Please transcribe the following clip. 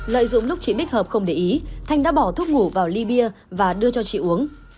nói chung là để kéo dài cái thời gian đi về chiều